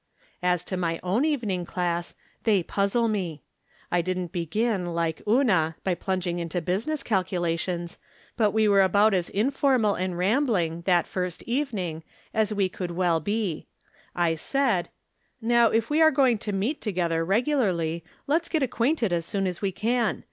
As to my own evening class, they puzzle me. I didn't begin, like Una, by plunging into busi ness calculations, but we were about as informal 160 From Different Standpoints. and rambling, that first evening, as we could well be. I said :" Now, if we are going to meet together regu larly, let's get acquainted as soon as we can.